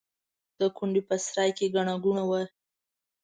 د کونډې په سرای کې ګڼه ګوڼه وه.